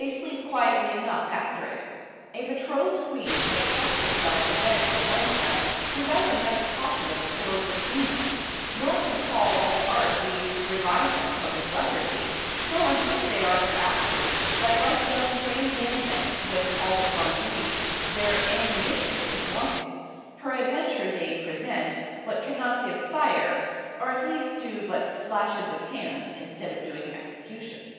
3>> sleep quietly enough after it. A Betrothed Queen migh trust her self a bed with one of them, without the nice Caution of a Sword between them: nor can all the Art we use revive them from this Lethargy, so unfit they are for Action, that like young Train band men when called upon Duty, their Amunition is wanting; peradventure they Present, but cannot give Fire, or at least do but flash in the pan, instead of doing Execution.